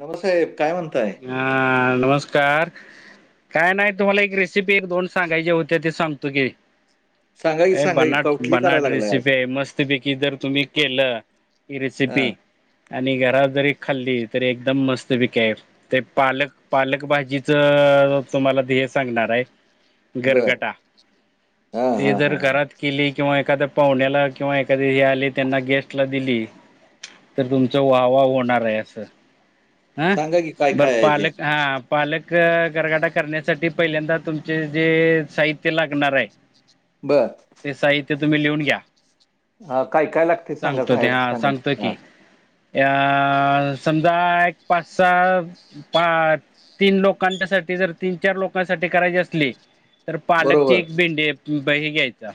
नमस्साहेब काय म्हणताय हह नमस्कार काय नाही तुम्हाला एक रेसिपी एक दोन सांगायची होते्या ते सांगतो की सांगा की, ए सांगा की. बनाट कौटली बनाट करायला लागलाय आज. रेसिपी मस्त पैकी जर तुम्ही केलं ही रेसिपी हां, आणि घरात जरी खाल्ली तरी एकदम मस्त पिका ते पालक पालक भाजीच तुम्हाला ते हे सांगणार आहे बरं. गरगटा हां, ते हां, जर हां, हां. करत केली किंवा एखाद्या पाहुण्याला किंवा एखादे हे आले त्यांना गेस्टला दिली तर तुमच वा वाह होणार आहे असं अं सांगा की बरं काय-काय आहे ते? पालेक हा पालक गरगाडा करण्यासाठी पहिल्यांदा तुमचे जे साहित्य लागणार आहे ब ते साहित्य तुम्ही लिहून घ्या अ काय काय लागते सांगा सांगतो ते साहेब हा सांगतो की स अ समजा एक पाच स तीन लोकांच्या साठी जर तीन चार लोकांसाठी करायची असली तर पालकची बरोबर. एक भेंडीही घ्यायचा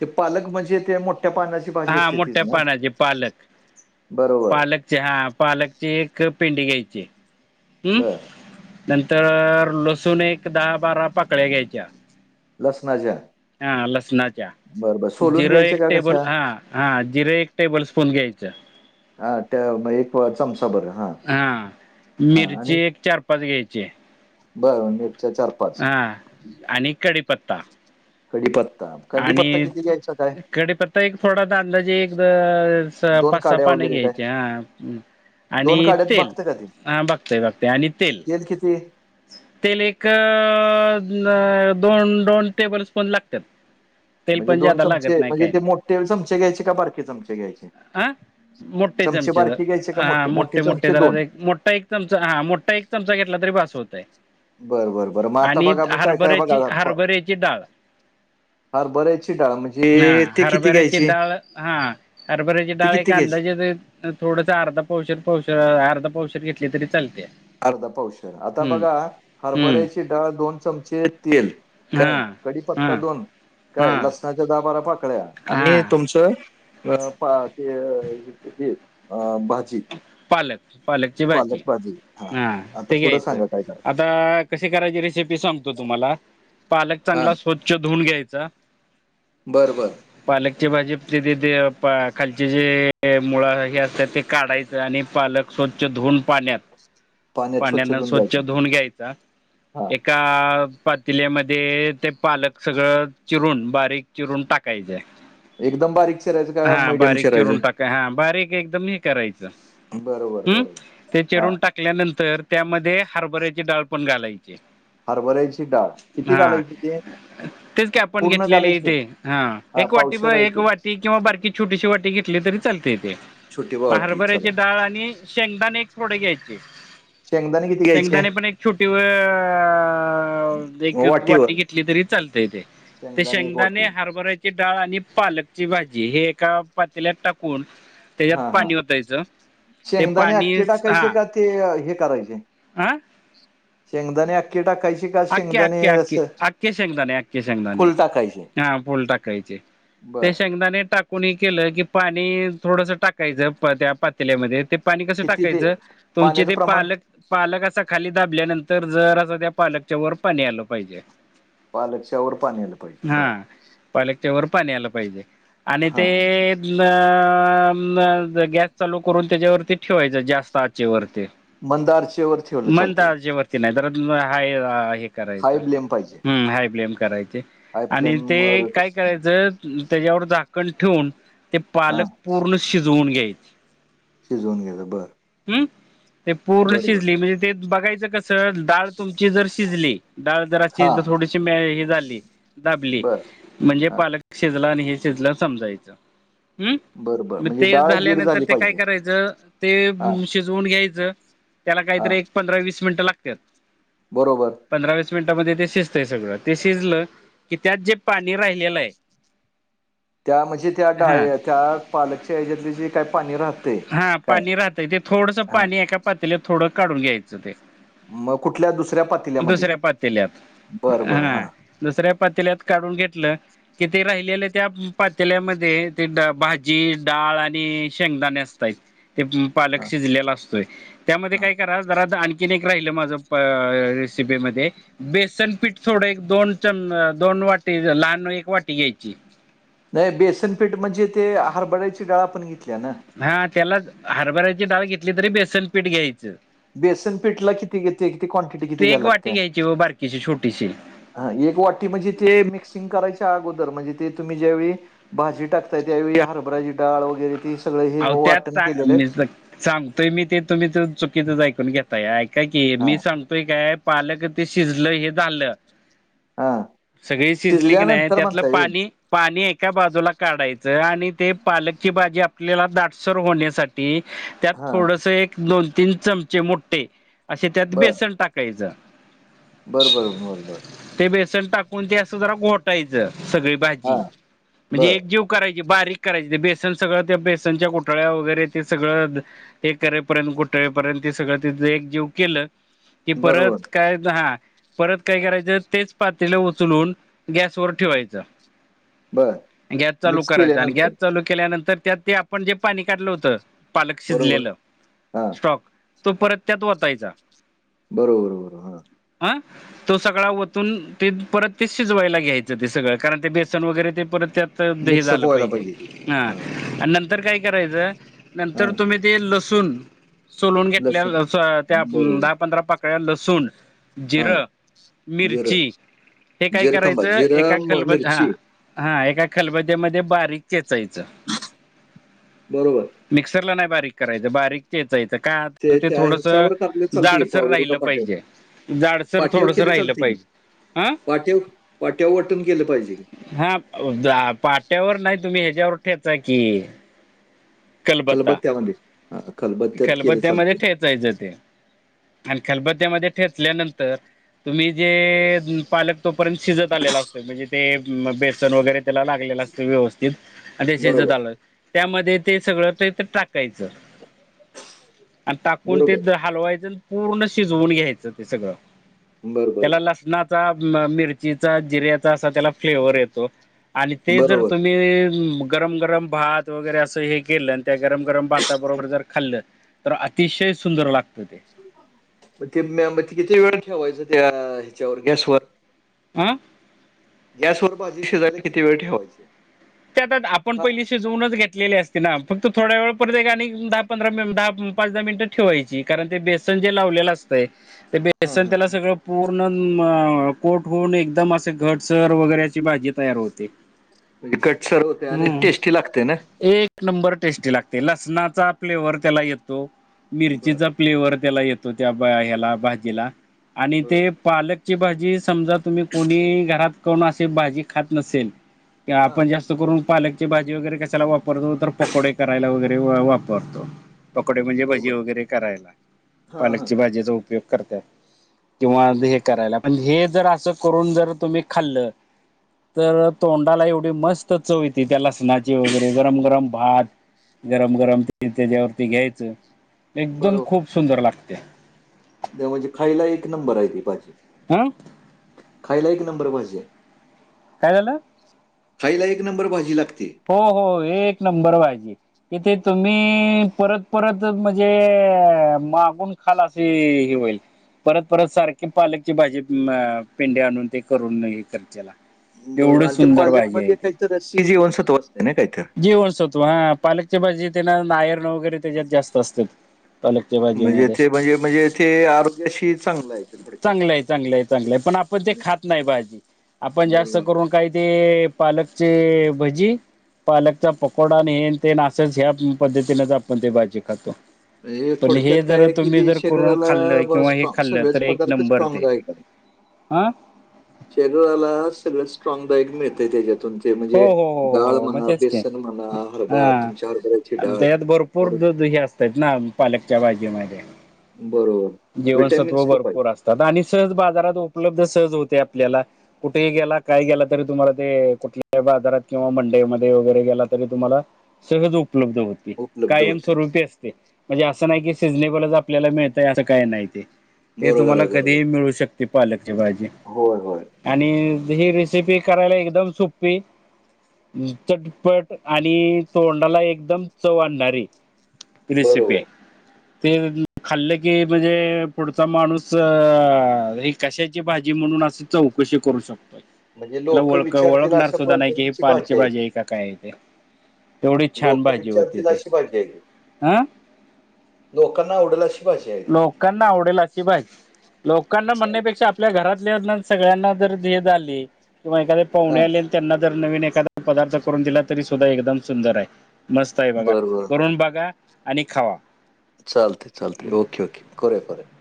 ते पालक म्हणजे ते मोठ्या पानाची भाजी हा असते तीच मोठ्या ना पानाचे पालक बरोबर पालकचे हा पालकची एक पिंडी घ्यायची हम्? बरं. नंतर लसूण एक- दहा- बारा पाकळ्या घ्यायच्या. लसणाच्या हा लसणाच्या बरं, बरं. सोलून जिरो घ्यायच्या एक का टेबल कशा? हा. हा जिरे एक टेबल स्पून घ्यायचं. हा त्या एक चमचा बर. हा मिरची एक चार पाच घ्यायची. बरं मिरच्या चार-पाच हां आणि कढीपत्ता. कडीपत्ता कडीपत्ता किती घ्यायचा काय? कडीपत्ता एक थोडा दांदा जे एक पाच काड्या पाणी वगैरे काय? घ्यायचे हा आणि काड्यात तेल भागतं का ते? हा बघतेय बघतेय आणि तेल तेल एक दोन दोन टेबल स्पून लागतात [inaudible] म्हणजे दोन जादा लागत चमचे नाही म्हणजे काही ते मोठे चमचे घ्यायचे का बारकी चमचे घ्यायचे हा मोठे चमचे ज, बारके घ्यायचे का हा मोठे? मोठे मोठे-मोठे चमचे दोन. जरा एक मोठा एक चमचा हा मोठा एक चमचा घेतला तरी भास होतय. बरं बरं बरं मग आता आणि बघा मी काय काय बघा हरभऱ्याची फ- हरभऱेची डाळ. हरभऱ्याची डाळ हा म्हणजे ते किती हरभरीची घ्यायची? डाळ हा हरभऱ्याची ते डाळ एक किती घ्यायची? अंदाजे थोडस अर्धा पावशर प अर्धा पावशर घेतली तरी चालते. अर्धा-पावशेर आता हम्म बघा हरभऱ्याची हम्म डाळ दोन चमचे तेल काय हा हा कडीीपत्ता दोन काय हा लसणाच्या दहा बारा पाकळ्या आणि हा तुमच ते अं, अ बा. पालक-पालकची भाजी, हा आता ते पुढं घ्यायचं सांगा काय कराय आता कशी करायची रेसिपी सांगतो तुम्हाला पालक हा चांगला स्वच्छ धुवून घ्यायचा बरं-बरं. पालकची भाजी ते खालचे जे मुळा हे असतात ते. काढायचं आणि पालक स्वच्छ धुवून पाण्यात. पाण्यात पाण्यान धुऊन स्वच्छ घ्यायचा धुऊन घ्यायचा, हा एक- का पातील्यामध्ये ते पालक सगळं चिरून बारीक चिरून टाकायचें. एकदम बारीक चिरायचे का मिडयम चिरून चिरायचं. टाका हा बारीक एकदम हे करायचं बरोबर ह् बरोबर ते हा चिरून टाक टाकल्यानंतर त्यामध्ये हरबऱ्याची डाळ पण घालायचे. हरभऱ्याची डाळ किती घालायची ते. तेच काय आपण पूर्ण घेतलेले घालायची का इथे हा एक वाटी पावशेर आहे एक ते वाटी किंवा बारकी छोटीशी वाटी घेतली तरी चालते तेे छोटी वाटी हारभराची चला डाळ आणि, शेंगदाणे एक थोडे घ्यायचे. शेंगदाने किती? घ्यायचे शेंगदाणे पण एक छोटी व अ एक वाटी वाटीवर घेतली तरी चालत ते. ते शेंगदाणे एक शेंगदाने वाटी हारबरायत. ती डाळ आणि पालकची भाजी हे एका पातीलात टाकून. त्याच्यात हा हा पाणी होतायचं ते शेंगदाणे पाणी अक्के टाकायचे हा. ते हे करायचे. हा ह [inaudible] शेंगदाणे अख्ख टाकायची का अख्खे शेंगदाणे अख्खे अस अख्खे अख्खे शेंगदाणे अख्खे शेंगदाणे फुल टाकायचे. हा फूल टाकायचे बर ते शेंगदाणे टाक कोणी केलं की पाणी थोडस टाकायचं त्या पातल्यामध्ये ते पाणी कसं किती ते टाकायचं तुमचे पाण्याचं ते प्रमाण पालक पालक असा खाली दाबल्यानंतर जर असं त्या पालकच्या वर पाणी आलं पाहिजे पालकच्या वर पाणीला पाहिजे बरं हां पालकच्या वर पाणी आलं पाहिजे आणि हा हा ते गॅस चालू करून त्याच्यावरती ठेवायचं जास्त आचेवररती मंद आरचेवर ठेवलं चालतंय म्हणता जे वती नाही तर हा हे करायच् हाय ब्लेम पाहिजे हाय ब्लेम करायचे हाय आणि ते फ्लेमवर काय करायचं त्याच्यावर झाकण ठेवून ते हा पालक पूर्ण शिजवून घ्यायचे शिजवून घेलं बरं हम्म ते पूर्ण शिजली म्हणजे ते बघायचं कसं डाळ तुमची जर शिजली डाळदराची हा थोडीशी झाली दाबली. बर म्हणजे हा पालक शिजला आणि हे शिजलं समजायचं. हम् बर बर म म्हणजे ते डाळ गीर झाल्यानंतर झाली ते काय पाहिजे करायचं ते हा घ्यायच त्याला हा काहीतरी एक पंधरा वीस मिनिटं लागत. बरोबर. पंधरा वीस मिनिटांमध्ये ते शिजतंय सगळं ते शिजलं. की त्यात जे पाणी राहिलेलं आहे. त्या म्हणजे त्या हा डाळ त्या पालकच्या याच्यातली जे काही पाणी राहत हा पाणी राहतय ते थोडस पाणी एका पातीला थोडं काढून घ्यायचं ते मग कुठल्या दुसऱ्या पातेल्यामध्ये दुसऱ्या पातल्यात बरं बरं हा दुसऱ्या पातल्यात काढून घेतलं तेिथे राहिलेल्या त्या पात्याल्यामध्ये ते भाजी डाळ आणि शेंगदाणे असतात पालक हा शिजलेला असतोय त्या हा काय करा जरा आण किनेक राहिलं माझं रेसिपीमध्येध्ये बेसन पीठ थोडं एक दोन चम दोन वाटी लहान एक वाटी घ्यायची नाही बेसनपेठ म्हणजे ते आरबडायची डाळा पण घेतल्या ना हा त्याला हरभराची डाळ घेतली तरी बेसनपीठ घ्यायचं बेसन पीठला किती घेते किती क्वांटिटी किती ते घ्या एक वाटी लागते घ्यायची व बारकीशी छोटीशी हा एक वाटी म्हणजे ते मिक्सिंग करायच्या अगोदर म्हणजे ते तुम्ही ज्यावेळी भाजी टाकताय त्यावे हरभराची डाळ वगैरे ती अ त्यात मी सांगतोय मी ते तुम्हीच चुकीचच ऐकून घेताय ऐकाय की हा मी सांगतोय काय पाल क ते शिजलं हे झालं हा सगळी शिजले की नाही शिजल्यानंतर त्यातलं म्हणताय व्हय पाणी पाणी एका बाजूला काढायचं आणि ते पालकची बाजी आपल्याला दाटसर होण्यासाठी त्यात हा थोड दोन तीन चमचे मोे असे त्यात बेसन टा काज बरबर बरोबर ते बेसन टाकून ते असं जरा घोटायचं सगळी भाजी हा म्हणजे बर एक जीव करायची बारीक करायची ते बेसन सगळं त्या बेसनच्या कोटाळ्या वगैरे ते सगळं एक करेपर्यंत कुठळेपर्यंत ते सगळं तिथ एकजीव केलं कि बरोबर परत काय हा परत काय करायचं तेच पातीला उचलून गॅसवर ठेवायचं बर गॅस चालू मिक्स करायचा आणि गॅस केल्यानंतर चालू केल्यानंतर त्यात ते आपण जे पाणी काढलं होत पालक बरोबर शिजलेलं हा स्टॉक तो परत त्यात वतायचा बरोबरर आं तो सगळा वतून ते परत ते शिजवायला घ्यायचं ते सगळं कारण ते बेसन वगैरे ते परत त्यात युद्ध हे मिक्सअप झालं व्हायला पाहिजे ते ह हा आणि नंतर काय करायचं हा नंतर तुम्ही ते लसूण.. सोलून घेतल्या, लसूण हम त्या दहा बरोबर पंधरा पाकळ्या लसूण.... हा जिरं, जिरं मिरची हे काय जिरं थांबा करायचं एका जिरं म- खलबत हा मिरची हा एका खलबत्यामध्ये बारीक चेचायचं. बरोबर... मिक्सर ला नाही बारीक करायचं बारीक... चेचायच का तर ते त्या थोडसं ह्याच्यावर टाकले चालते की जाडसर पावर का राहिलं पाट्यावर पाहिजे.... जाडसर थोडस राहिलं पाहिजे.... हा पाठयाव, पाठ्याव वाटून केलं पाहिजे..... हा जा पाट्यावर नाही तुम्ही ह्याच्यावर ठेचा की.... खलबत्ता खलबत्त्यामध्ये हा, खलबत्त्यात केलं खलबत्त्यामध्ये चालते ठेचायचं ते..... आणि खलबत्यामध्ये ठेचल्यानंतर... तुम्ही जे पालक तोपर्यंत शिजत आलेला असतो म्हणजे ते बेसन वगैरे त्याला लागलेला अस.... व्यवस्थित आणिश बरोबर आलं त्यामध्ये. ते सगळंथ टाकायचं आणि टाकून ते बरोबर हलवायचं... पूर्ण शिजवून घ्यायचं ते सगळं बरोबर त्याला बरोबर लसनात.... चा मिरचीचा, जिऱ्याचा असा त्याला फ्लेवर येतो.... आणि ते जर बरोबर तुम्ही गरम गरम भात वगैरे असं हे.... केलं त्या गरम गरम भाता बरोबर जर खाल्ल तर अतिशय सुंदर लागतं ते.... मग ते म किती वेळ ठेवायचं त्या ह्याच्यावर गॅसवर..... आं... गॅस वर भाजी शिजाय तरी किती वेळ ठेवायच.... त्यात आपण पहिली... शिजवूनच घेतले असती ना फक्त थोड्या वेळ परत एक आणि दहा पंधरा दहा पाच दहा मिनिट ते... ठेवायची कारण ते बेसन जे लावलेलं असतय ते हा, बेसन हा. त्याला सगळं... पूर्ण कोठ होऊन एकदम अस घटसर वगैरेची अशी भाजी तयार होते.... म्हणजे कटसर होते आणि हम्म टेस्टी लागते ना.... एक नंबर टेस्टी लागते लसणाचा फ्लेवर त्याला येतो. बर मिरचीचा.... फ्लेवर त्याला येतो. त्या ह्याला भाजीला आणि बर ते पालक.... ची भाजी समजा तुम्ही कोणी घरात कोण अशी भाजी खात नसेल, हा आपण जास्त करून पालकची भाजी वगैरे कशाला वापरतो तर पकोडे करायला वगैरे... तेव्हा वापरतो.... पकोडे म्हणजे भजी बरोबर वगैरे करायला हा हा पालकच्या भाजीचा उपयोग करत्यात.... किंवा हे करायला पण हे जर असं करून जर तुम्ही खाल्लं... तर तोंडाला एवढी मस्त चव येती त्या लसणाची वगैरे गरम गरम भात.... गरम गरम त्याच्यावरती घ्यायचं एकदम बरोबर खूप सुंदर लागते.... त्या म्हणजे खायला एक नंबर आहे ती भाजी.... हा... खायला एक नंबर भाजी हाय.... काय झालं? खायला एक नंबर भाजी लागते... हो हो एक नंबर भाजी आहे.... कि ते तुम्ही परत परत म्हणजे मागूण.... खाल अस हे होईल... परत परत सारखी पालकची भाजी पेंड्या आणून ते करून हे करशीला..... बर बर आणि ते पालकमध्ये तेच्यात सी जीवनसत्व असतय ना काहीतर.... जीवनसत्व हा पालकच्या भाजीत ते ना आयर्न वगैरे त्याच्यात जास्त असतात.... पालकच्या म्हणजे भाजीमध्ये तेे म्हणजे म्हणजेथे आरोग्याशी चांगलं आहे.... ते थोडक्यात. चांगलं आहे, चांगलं आहे, चांगलं आहे पण आपण ते खात नाही भाजी आपण जास्त बरोबर. करून.... काय ते पालकचे भजी, पालकचा पकोडा अन हे अन ते असच ह्या पद्धतीनेच आपण ते भाजी करतो. म्हणजे पण हे थोडक्यात काय जर आहे की तुम्ही ते जर करून शरीराला खाल्ल ब किंवा हे स्ट्रॉंग खाल्ल सगळेच एक पदार्थ नंबर ते स्ट्रॉंगदायक आहे. हा.... शरीराला सगळं स्ट्राग बाईक मिळतेय त्याच्यातून ते हो म्हणजे हो हो डाळ हो हो मग म्हणा तेच की बेसन म्हणा हरबा हा. तुमच्या हरबऱ्याची डाळ करून तेच ना पालकच्या भाजीमध्ये बरोबर. जीवणसत्व व्हिटॅमिन्स खूप आहेत. भरपूर असतात आणि सहज बाजारात उपलब्ध सहज होते आपल्याला कुठेही गेला काय गेला तरी तुम्हाला ते कुठल्याही बाजारात किंवा मंडळी मध्ये वगैरे गेला तरी तुम्हाला सहज उपलब्ध होते. उपलब्ध होते. कायमस्वरूपी अस ते म्हणजे असं नाही की सिजनेबलच आपल्याला मिळतय असं काही नाही ते हे बरोबर तुम्हाला आहे, बरोबर. कधीही मिळू शकते पालकची भाजी होय, होय. आणि ही रेसिपी करायला एकदम सोप्पी चटपट आणि तोंडाला एकदम चव आणणारी रेसिपी हाय बरोबर. ते खाल्ल की म्हणजे पुढचा माणूस ही कशाची भाजी म्हणून अस चौकशी करू शकतो बरं. म्हणजे त्याला लोकं ओळख विचारतील ओळखणार अशा सुद्धा नाही कि हे पद्धतीची पालकची भाजी ती. आहे का काय आहे ते तेवढी छान लोकं भाजी होती विचारतील ते अशी भाजी आहे. ती. आ लोकांना आवडल अशी भाजी आहे ती. लोकांना आवडेल अशी भाजी, लोकांना म्हणण्यापेक्षा आ आपल्या घरातल्या सगळ्यांना जर हे झाली किंवा एखादे पाहुणे आले त्यांना जर नवीन एखादा पदार्थ करून दिला तरी सुद्धा एकदम सुंदर आहे मस्त आहे बघा बरं बरं करून बघा आणि खावा चालते चालते ओके ओके. करूया करूया